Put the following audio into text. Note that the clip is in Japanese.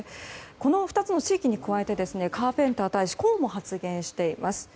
この２つの地域に加えてカーペンター大使はこうも発言しています。